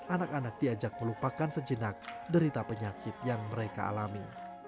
anak anak diajak melupakan sejenak derita penyakit yang mereka alami